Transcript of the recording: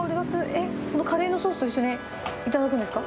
えっ、このカレーのソースと一緒に頂くんですか？